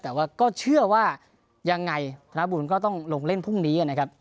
แต่ว่าก็เชื่อว่ายังไงธนบุญก็ต้องลงเล่นพรุ่งนี้นะครับ